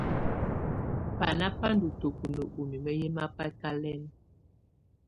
Banà bà ndù tǝkunǝ ù mimǝ yɛ̀ mabɛkalɛna.